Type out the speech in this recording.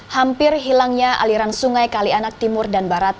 hampir hilangnya aliran sungai kalianak timur dan barat